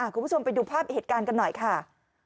คุณผู้ชมไปดูภาพเหตุการณ์กันหน่อยค่ะ